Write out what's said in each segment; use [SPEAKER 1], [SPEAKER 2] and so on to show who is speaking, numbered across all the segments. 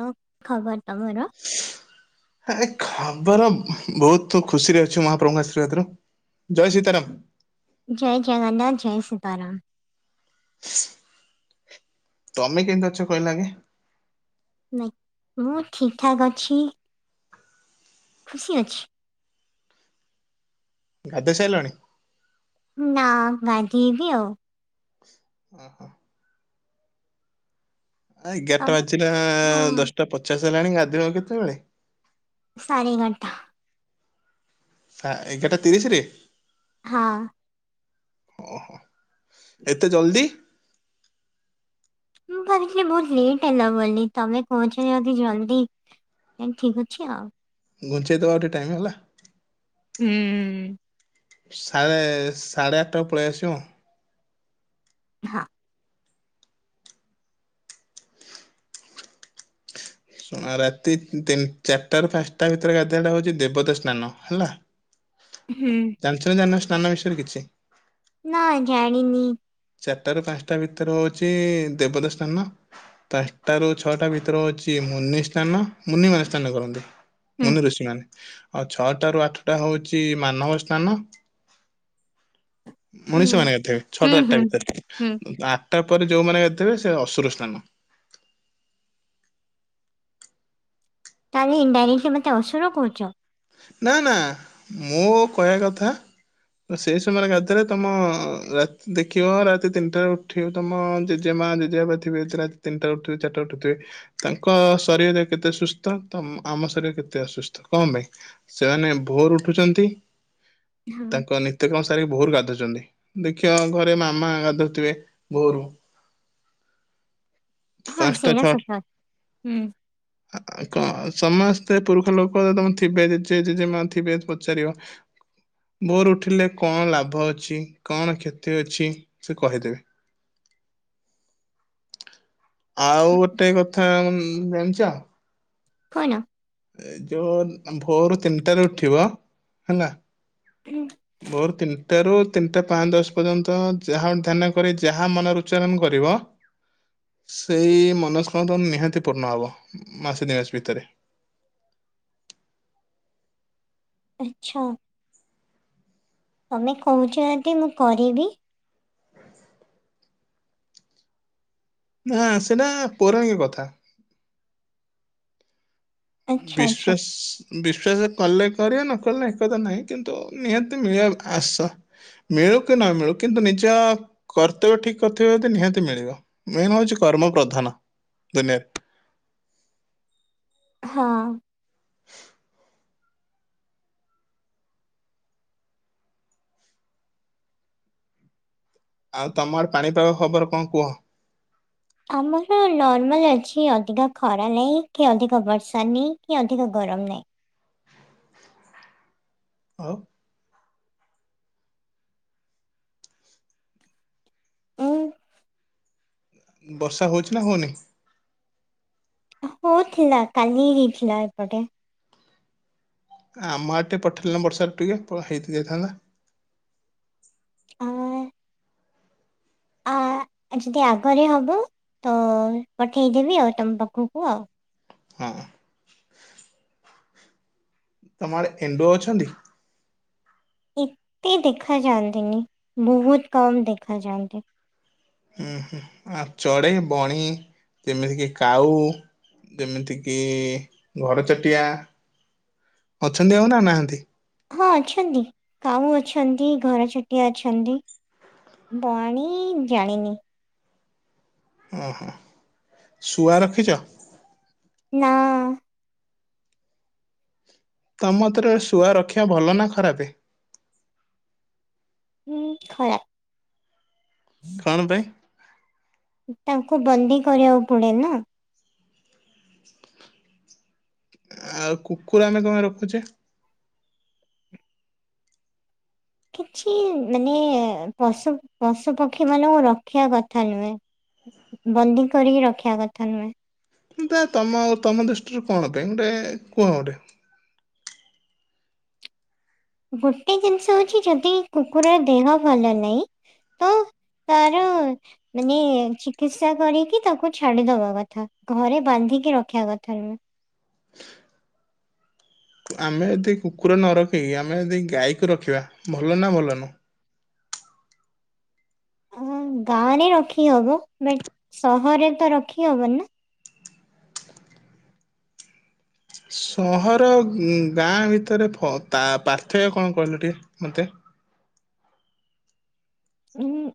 [SPEAKER 1] ହଁ ଖବର ତମର?
[SPEAKER 2] ଏ ଖବର ବହୁତ ଖୁସିରେ ଅଛୁ ମହାପ୍ରଭୁଙ୍କ ଆଶ୍ରୀବାଦରୁ। ଜୟସିୀତାର। ମ୍।
[SPEAKER 1] ଜୟ ଜଗନ୍ନାଥ ଜୟ ସୀତାରାମ।
[SPEAKER 2] [inaudible] ତମେ କେମିତି ଅଛ କହିଲ ଆଗେ?
[SPEAKER 1] ନାଇ ମୁଁ ଠିକ ଠାକ୍ ଅଛି ଖୁସି ଅଛି।
[SPEAKER 2] ଗାଧୋଇ ସାଇଲଣି?
[SPEAKER 1] ନା ଗାଧଇ ବିି ଆଉ।
[SPEAKER 2] ଓ ହୋ। ଆ ଏଗାରଟା ବାଜିଲା ଦଶଟା ପଚାଶ ହେଲାଣି ଗାଧେଇବ କେତେବେଳେ?
[SPEAKER 1] ସାଢ଼େ ଏଗାର ଟା।
[SPEAKER 2] ସା ଏଗାରଟା ତିରିଶ ରେ?
[SPEAKER 1] ହଁ।
[SPEAKER 2] ଓହୋ ଏତେ ଜଲ୍ଦି?
[SPEAKER 1] ମୁଁ ଭାବଥିଲି ବହୁତ ଲେଟ୍ ହେଲା ବୋଲି। ତମେ କହଞ୍ଚ ଯଦି ଜଲଦି ଆଜ ଠିକ ଅଛି ଆଉ।
[SPEAKER 2] ଘୁଞ୍ଚେଇଦବ ଆଉ ଟିକେ ଟାଇମ୍ ହେଲା।
[SPEAKER 1] ହୁଁ।
[SPEAKER 2] ସା଼ ସାଢ଼େ ଆଠଟା ପଳେଇ ଆସିବୁ।
[SPEAKER 1] ହଁ।
[SPEAKER 2] ଶ ଆ ରାତିତିନି ଚାରିଟା ର ପାଞ୍ଚଟା ଭିତରେ ଗାଧଟା ହଉଚି ଦେବତା ସ୍ନାନ ହେଲା।
[SPEAKER 1] ହୁଁ।
[SPEAKER 2] ଜାଣିଚ ନ ଜାଣିନ ସ୍ନାନ ବିଷୟରେ କିଛି?
[SPEAKER 1] ନାଇ ଜାଣିନି।
[SPEAKER 2] ଚାରିଟା ରୁ ପାଞ୍ଚଟା ଭିତରେ ହଉଛି ଦେବତା ସ୍ଥାନ। ପାଞ୍ଚଟାରୁ ଛଅଟା ଭିତରେ ହଉଚି ସି ମୁନି ସ୍ଥାନ ମୁନି ମାନେ ସ୍ଥାନ କରନ୍ତି ମୁନି ଋଷି ମାନେ। ହଁ ଛଅଟ ରୁ ଆଠଟା ହଉଚି ମାନବ ସ୍ନାନ। ମଣିଷ ମାନେ ଗାଧେଇବେ ଛଅଟା ଆଠଟା ଭିତରେ। ଆଠଟା ପରେ ଯୋଉମାନେ ଗାଥିବେ ସେ ଅସୁର ସ୍ନାନ।
[SPEAKER 1] ତାହେଲେ ଇନ୍ ଡାଇରେକ୍ଟଲି ମତେ ଅସୁର କହୁଚ।
[SPEAKER 2] ନା ନା ମୁଁ କହିବା କଥା। ସେଇ ସମୟରେ ଗାଧେଈଲେ ତମ ରା ଦେଖିବ ରାତି ତିନିଟାରେ ଉଠି ବ ତମ ଜେ ଜେ ମା ଜେ ଜେ ବାପା ଥିବେ ସେ ତିନିଟା ଉଠଥିବୋରିଟା ଉଠୁଥିବେ। ତାଙ୍କ ଶରୀରରେ କେତେ ସୁସ୍ଥ ତ ଆମ ଶରୀର କେତେ ଅସୁସ୍ଥ କଣ ପାଇଁ? ସେମାନେ ଭୋର ଉଠୁଚନ୍ତି ତାଙ୍କ ନିତ୍ୟକାମ ସାରିକି ଭୋର ଗାଧଉଛନ୍ତି। ଦେଖିବ ଘରେ ମାମା ଗାଧଉଥିବେ ଭୋରୁ। ପାଞ୍ଚଟା ଛଅ କ ସମସ୍ତେ ପୁରୁଷ ଲୋକମ ଥିବେ ଜେ ଜେଜେ ମା ଥିବେ ପଚାରିବ ଭୋରୁ ଉଠିଲେ କଣ ଲାଭ ଅଛି କଣ କ୍ଷତି ଅଛି ସେ କହିଦେବେ।
[SPEAKER 1] [inaudible]
[SPEAKER 2] ଆଉ ଗୋଟେ କଥା ଜାଣିଚ?
[SPEAKER 1] କଣ?
[SPEAKER 2] ଏ ଯୋଉ ଭୋରୁ ତିନିଟାରେ ଉଠିବ ହେଲା।
[SPEAKER 1] ହୁଁ।
[SPEAKER 2] ଭୋରୁ ତିନିଟାରୁ ତିନିଟା ପାଞ୍ଚ ଦଶ ପର୍ଯ୍ୟନ୍ତ ଯାହା ଧ୍ୟାନ କରିବ ଯାହା ମନରୁ ଉଚ୍ଚାରଣ କରିବ ସେଇ ମନସ୍କାମ ତ ନିହାତି ପୂର୍ଣ୍ଣ ହବ ମାସେ ଦି ମାସେ ଭିତେରେ।
[SPEAKER 1] ଆଛା। ତମେ କହୁଚ ଯଦି ମୁଁ କରିବି।
[SPEAKER 2] ନାଁ ସେଟା ପୌରାଣିକ କଥା। ଉଁ
[SPEAKER 1] ଆଚ୍ଛା ଆଚ୍ଛା
[SPEAKER 2] ବିଶ୍ଵାସ ବିଶ୍ଵାସ କଲେ କରିବ ନକଲେ ଏକଥା ନାହିଁ କିନ୍ତୁ ନିହାତି ମିଳିବା ଆସ। ମିଳୁ କି ନ ମିଳୁ କିନ୍ତୁ ନିଜ କର୍ତ୍ତବ୍ୟ ଠିକ୍ କରିଥିବେ ଯଦି ନିହାତି ମିଳିବ। ମେନ୍ ହଉଚି କର୍ମ ପ୍ରଧାନ ଦୁନିଆରେ।
[SPEAKER 1] ହଁ।
[SPEAKER 2] ଆଉ ତମ ଆଡେ ପାଣିପାଗ ଖବର କଁ କୁହ?
[SPEAKER 1] ଆମର ନର୍ମାଲ୍ ଅଛି ଅଧିକା ଖରା ନାଇଁ କି ଅଧିକ ବର୍ଷା ନି କି ଅଧିକ ଗରମ ନାଇଁ।
[SPEAKER 2] ଆଉ
[SPEAKER 1] ଉଁ।
[SPEAKER 2] ବର୍ଷା ହଉଚି ନା ହଉନି?
[SPEAKER 1] ହଉଥିଲା କାଲି ହେଇଥିଲା ଏପଟେ।
[SPEAKER 2] ଆମ ଆଡେ ଟିକେ ପଠେଇଲନି ବର୍ଷାକୁ ଟିକେ ପ ହେଇତି ଯାଇଥାନ୍ତା।
[SPEAKER 1] ଅଁ ଅଁ ଆଜି ତ ଆଗରେ ହବ ତ ପଠେଇଦେବି ଆଉ ତମ ପାଖୁକୁ ଆଉ।
[SPEAKER 2] ହଁ। ତମ ଆଡେ ଏଣ୍ଡୁଅ ଅଛନ୍ତି?
[SPEAKER 1] ଏତେ ଦେଖା ଯାଆନ୍ତିନି ବୋହୁତ କମ୍ ଦେଖାଯାଆନ୍ତି।
[SPEAKER 2] ଉଁ ହୁଁ ଆଉ ଚଡେଇ ବଣି ଯେମିତିକି କାଉ ଦେମିତି କିି ଘରଚଟିଆ ଅଛନ୍ତି ଆଉ ନା ନାହାନ୍ତି।
[SPEAKER 1] ହଁ ଅଛନ୍ତି। କାଉ ଅଛନ୍ତି ଘର ଚଟିଆ ଅଛନ୍ତି। ବଣିି ଜାଣିନି।
[SPEAKER 2] ଓହୋ। ଶୁଆ ରଖିଚି?
[SPEAKER 1] ନା।
[SPEAKER 2] ତମ୍ ମତେରେ ଶୁଆ ରଖିବା ଭଲ ନା ଖରାପେ?
[SPEAKER 1] ଉଁ ଖରାପ୍।
[SPEAKER 2] କଣ ପାଇଁ?
[SPEAKER 1] ତାଙ୍କୁ ବନ୍ଦୀ କରିଆକୁ ପଡେ ନା।
[SPEAKER 2] ଆଉ କୁକୁର ଆମେ କଁ ପାଇଁ ରଖୁଚେ?
[SPEAKER 1] କିଛି ମାନେ ଉଁ ପଶୁ ପଶୁ ପକ୍ଷୀମାନଙ୍କୁ ରଖିଆ କଥା ନୁଏଁ। ବନ୍ଦୀ କରିକି ରଖିଆ କଥା ନୁଏଁ।
[SPEAKER 2] କିନ୍ତୁ ଆଉ ତମ ତମ ଦୁଷ୍ଟିରୁ କଣ ପାଇଁ ଗୋଟେ କୁହ ଗୋଟେ।
[SPEAKER 1] ଗୋଟେ ଜିନିଷ ହଉଚି ଯଦି କୁକୁରର ଦେହ ଭଲ ନାଇଁ ତ ତାର ମାନେ ଚିକିତ୍ସା କରିକି ତାକୁ ଛାଡିଦବା କଥା ଘରେ ବାନ୍ଧିକି ରଖିଆ କଥା ନୁଏଁ।
[SPEAKER 2] ଆମେ ଯଦି କୁକୁର ନ ରଖିକି ଆମେ ଯଦି ଗାଈକୁ ରଖିବା ଭଲ ନା ଭଲ ନୁଅଁ?
[SPEAKER 1] ଉଁ ଗାଁରେ ରଖି ହବ ବଟ୍ ସହରରେ ତ ରଖି ହବନି ନା।
[SPEAKER 2] ସହର ଆଉ ଉଁ ଗାଁ ଭିତରେ ଫ ପା ପାର୍ଥକ୍ୟ କଁ କହିଲ ଟିକେ ମତେ?
[SPEAKER 1] ଉଁ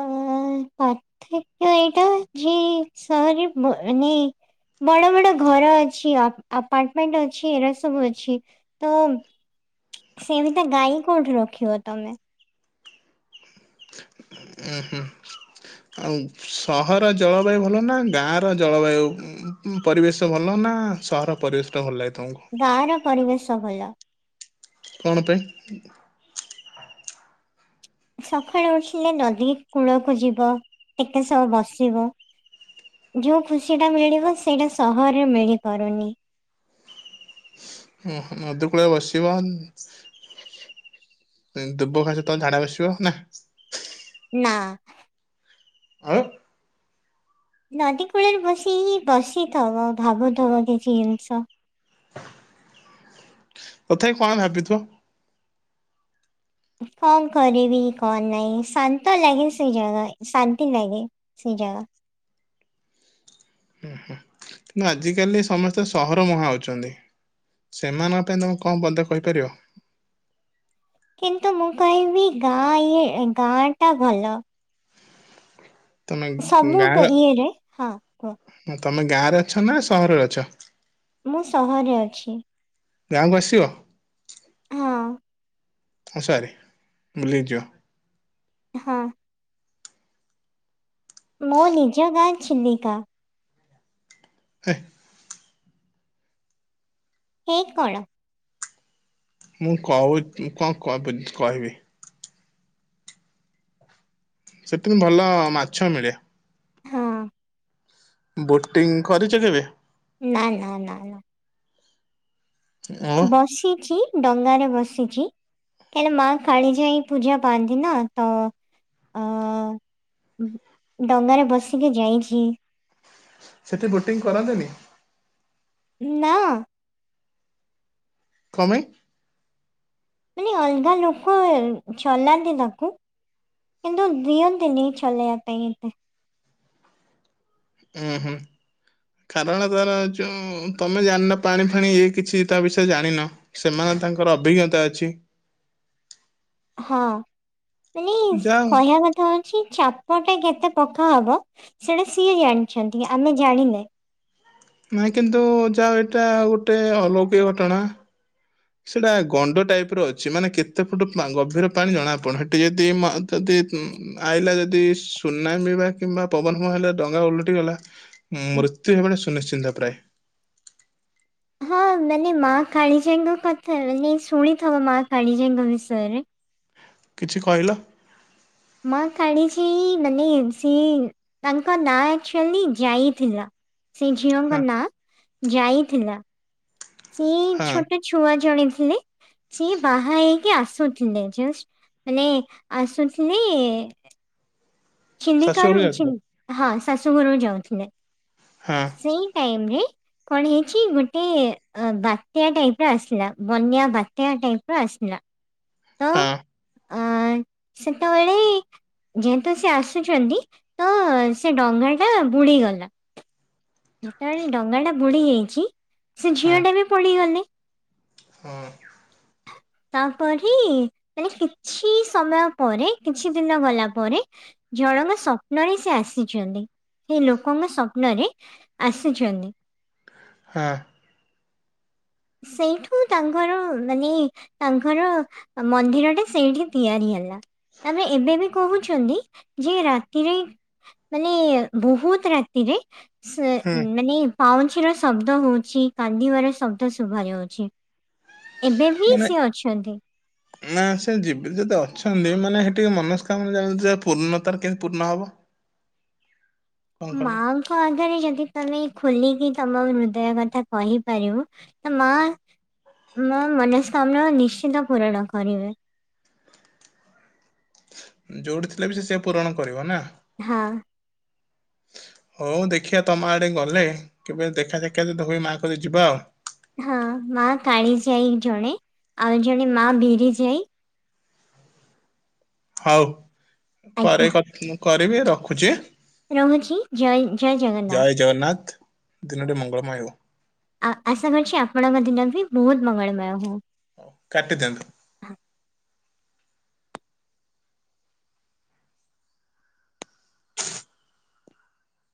[SPEAKER 1] ଆଉ ପାର୍ଥକ୍ୟ ଏଇଟା ଯେ ସହରରେ ବ ଏ ମାଏଁ ବଡ ବଡ ଘର ଅଛି ଆପ୍ ଆପାର୍ଟମେଣ୍ଟ ଅଛି ଏରା ସବୁ ଅଛି। ତ ସେଇ ଭିତ ଗାଈଙ୍କି କୋଉଠି ରଖିବ ତମେ।
[SPEAKER 2] ଉଁ ହୁଁ। ଆଉ ସହର ଜଳବାୟୁ ଭଲ ନା ଗାଁର ଜଳବାୟୁ? ଉଁ କୁଁ ପରିବେଶ ଭଲ ନା ସହର ପରିବେଶଟା ଭଲ ଲାଗେ ତମୁକୁ?
[SPEAKER 1] ଗାଁର ପରିବେଶ ଭଲ।
[SPEAKER 2] କଣ ପାଇଁ।
[SPEAKER 1] ସକାଳୁ ଉଠିଲେ ନଦୀ କୂଳକୁ ଯିବ ଟିକେ ସହ ବସିବ। ଯୋଉ ଖୁସି ଟା ମିଳିବ ସେଇଟା ସହରରେ ମିଳିପାରୁନି।
[SPEAKER 2] ଓ ହୁ ନଦୀକୁଳେ ବସିବା ଦୁବ ଘାସ ତ ଝାଡା ବସିବ ନା
[SPEAKER 1] ନା।
[SPEAKER 2] ଆଉ।
[SPEAKER 1] ନଦୀ କୂଳରେ ବସିି ବସିଥିବ ଭାବୁଥିବ କିଛି ଜିନିଷ।
[SPEAKER 2] ତଥାପି କଣ ଭାବିଥିବ।
[SPEAKER 1] କଣ କରିବି କଣ ନାହିଁ ଶାନ୍ତ ଲାଗେ ସେଇ ଜାଗା ଶାନ୍ତି ଲାଗେ। ସେଇ ଜାଗା।
[SPEAKER 2] ହୁଁ ହୁଁ। କିନ୍ତୁ ଆଜିକାଲି ସମସ୍ତେ ସହର ମୁହାଁ ହଉଚନ୍ତି। ସେମାନଙ୍କ ପାଇଁ ତୁମେ କଣ ପଦେ କହିପାରିବ।
[SPEAKER 1] କିନ୍ତୁ ମୁଁ କହିବି ଗାଁ ଇଏ ଗାଁ ଟା ଭଲ।
[SPEAKER 2] ତମେ
[SPEAKER 1] ସବୁ
[SPEAKER 2] ଗାଁର
[SPEAKER 1] ଇଏରେ ହଁ। କୁହ
[SPEAKER 2] ତମେ ଗାଁ ରେ ଅଛ ନା ସହରରେ ଅଛ।
[SPEAKER 1] ମୁଁ ସହରେ ଅଛି।
[SPEAKER 2] ଗାଁକୁ ଆସିବ।
[SPEAKER 1] ହଁ
[SPEAKER 2] ଆସ ହାରି ବୁଲିକି ଯିବ।
[SPEAKER 1] ହଁ। ମୋ ନିଜ ଗାଁ ଚିଲିକା।
[SPEAKER 2] ହେ।
[SPEAKER 1] ହେ କଣ?
[SPEAKER 2] ମୁଁ କହୁ ଚି କ କ କହିବି। ସେଥି ନ ଭଲ ମାଛ ମିଳେ।
[SPEAKER 1] ହଁ।
[SPEAKER 2] ବୋଟିଂ କରିଚ କେବେ।
[SPEAKER 1] ନା ନା ନା।
[SPEAKER 2] ଓ
[SPEAKER 1] ବସିଛି ଡଙ୍ଗାରେ ବସିଛି। କାଳେ ମା କାଳିଜାଈ ପୂଜା ପାନ୍ତି ନା ତ ଅ ଡଙ୍ଗାରେ ବସିକି ଯାଇଚି।
[SPEAKER 2] ସେଠି ବୋଟିଂ କରନ୍ତିନି।
[SPEAKER 1] ନା।
[SPEAKER 2] କଂପାଇଁ।
[SPEAKER 1] ମାନେ ଅଲଗା ଲୋକ ଚଲାନ୍ତି ତାକୁ। କିନ୍ତୁ ଦିଅନ୍ତିନି ଚଲେଇବା ପାଇଁ ଏତେ।
[SPEAKER 2] ହୁଁ ହୁଁ। କାରଣ ତାର ଯୋଉ ତମେ ଜାଣିନ ପାଣି ଫାଣି ଇଏ କିଛି ତା ବିଷୟରେ ଜାଣିନ। ସେମାନେ ତାଙ୍କର ଅଭିଜ୍ଞତା ଅଛି।
[SPEAKER 1] ହଁ ମାନେ
[SPEAKER 2] ଯାଅ
[SPEAKER 1] କହିବା କ ଥା ହଉଚି ଚାପ ଟା କେତେ ପକା ହବ ସେଟା ସିଏ ଜାଣିଚନ୍ତି ଆମେ ଜାଣିନେ।
[SPEAKER 2] ନାଇଁ କିନ୍ତୁ ଯାହଉ ଏଇଟା ଗୋଟେ ଅଲୌକିକ ଘଟଣା। ସେଟା ଗଣ୍ଡ ଟାଇପ ର ଅଛି ମାନେ କେତେ ଫୁଟ ପା ଗଭୀର ପାଣି ଜଣାପଡୁନି ସେଠି ମ ଯଦି ଯଦି ଆଇଲା ଯଦି ସୁନାମି ବା କିମ୍ବା ପବନ ଫବନ ହେଲେ ଡଙ୍ଗା ଓଲଟି ଗଲା ମୃତ୍ୟୁ ହେବଟା ସୁନିଶ୍ଚିନ୍ତ ପ୍ରାଏ।
[SPEAKER 1] ହଁ ମାନେ ମା କାଳିୀଜାଈଙ୍କ କଥା ମାନେ ଶୁଣିଥବ ମା କାଳିୀଜାଈଙ୍କ ବିଷୟରେ।
[SPEAKER 2] କିଛି କହିଲ।
[SPEAKER 1] ମା କାଳିଜାଈ ମାନେ ଏବ୍ ସିଏ ତାଙ୍କ ନାଁ ଆକ୍ଚୁଆଲି ଜାଇ ଥିଲା। ସେଇ ଝିଅଙ୍କ
[SPEAKER 2] ହଁ
[SPEAKER 1] ନାଁ ଜାଇ ଥିଲା। ସେଇ
[SPEAKER 2] ହଁ
[SPEAKER 1] ଛୋଟ ଛୁଆ ଜଣେ ଥିଲେ। ସେ ବାହା ହେଇକି ଆସୁଥିଲେ ଜଷ୍ଟ ମାନେ ଆସୁଥିଲେ
[SPEAKER 2] ଶାଶୁ
[SPEAKER 1] ଚିଲିକାରୁ
[SPEAKER 2] ଘରକୁ ଯାଇଥିଲେ
[SPEAKER 1] ଚିନ୍ ହଁ ଶାଶୁଘରକୁ ଯାଉଥଲେ।
[SPEAKER 2] ହଁ।
[SPEAKER 1] ସେଇ ଟାଇମ୍ ରେ କଣ ହେଇଛି ଗୋଟେ ବାତ୍ୟା ଟାଇପ୍ ର ଆସିଲା ବନ୍ୟା ବାତ୍ୟା ଟାଇପ୍ ର ଆସିଲା।
[SPEAKER 2] ହଁ।
[SPEAKER 1] ଆଁ ସେତଳେ ଯେହେତୁ ସେ ଆସୁଛନ୍ତି ତ ସେ ଡଙ୍ଗା ଟା ବୁଡିଗଲା। ଯେତବେଳେ ଡଙ୍ଗା ଟା ବୁଡି ଯାଇଛି ସେ
[SPEAKER 2] ହଁ
[SPEAKER 1] ଝିଅ ଟା ବି ପଡିଗଲେ।
[SPEAKER 2] ହଁ।
[SPEAKER 1] [inaudible] ତାପରେ ମାନେ କିଛି ସମୟ ପରେ କିଛି ଦିନ ଗଲା ପରେ ଜଳଙ୍କ ସ୍ୱପ୍ନରେ ସେ ଆସିଛନ୍ତି ସେ ଲୋକଙ୍କ ସ୍ୱପ୍ନରେ। ଆସିଛନ୍ତି।
[SPEAKER 2] ହଁ।
[SPEAKER 1] ସେଇଠୁ ତାଙ୍କର ମାନେ ତାଙ୍କର ମନ୍ଦିର ଟେ ସେଇଠି ତିଆରି ହେଲା ଆମେ ଏବେ ବି କହୁ ଛନ୍ତି ଯେ ରାତିରେ ମାନେ ବହୁତ୍ ରାତିରେ ସେ
[SPEAKER 2] ହୁଁ
[SPEAKER 1] ମାନେ ପାଉଁଛିିର ଶବ୍ଦ ହଉଛି କାନ୍ଦିବାର ଶ ବ୍ଦ ଶୁଭାଯାଉଛି ଏବେ ବି
[SPEAKER 2] ମାନେ
[SPEAKER 1] ସିଏ ଅଛନ୍ତି।
[SPEAKER 2] ନା ସେ ଯିବି ଯଦି ଅଛନ୍ତି ମାନେ ହେଟି ମନସ୍କାମନା ଜା ପୂର୍ଣ୍ଣତାର କେମିତି ପୂର୍ଣ୍ଣ ହେବ।
[SPEAKER 1] ମାଙ୍କ ଆଗରେ ଯଦି ତମେ ଖୋଲିକି ତମ ହୃଦୟ କଥା କହିପାରିବ ମା ମୋ ମନସ୍କାମନା ନିଶ୍ଚିତ ପୂରଣ କରିବେ।
[SPEAKER 2] ଯୋଉଠି ଥିଲା ବି ସେ ସେ ପୂରଣ କରିବ ନା?
[SPEAKER 1] ହଁ।
[SPEAKER 2] ହଉ ଦେଖିଆ ତମ ଆଡେ ଗଲେ କେବେ ଦେଖା ସାକ୍ଷାତ ଯଦି ହୁଏ ମାଙ୍କ କତିକି ଯିବା ଆଉ।
[SPEAKER 1] ହଁ ମା କାଳିଜାଇ ଜଣେ ଆଉ ଜଣେ ମା ବିରି ଯାଇ।
[SPEAKER 2] ହଉ
[SPEAKER 1] ଆଜ୍ଞା
[SPEAKER 2] ପରେ କ କରିବି ରଖୁଛି।
[SPEAKER 1] ରହୁଛି ଜୟ ଜୟ ଜଗନ୍ନା
[SPEAKER 2] ଜୟ ଜଗନ୍ନାଥ। ଦିନଟି ମଙ୍ଗଳମୟ ହେଉ।
[SPEAKER 1] ଆ ଆଶା କରୁଛି ଆପଣଙ୍କ ଦିନ ବି ବହୁତ୍ ମଙ୍ଗଳମୟ ହଉ।
[SPEAKER 2] ହଉ କାଟି ଦିଅନ୍ତୁ। [inaudible]